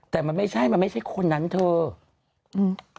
แต่มันไม่ใช่มันไม่ใช่คนนั้นเธออืม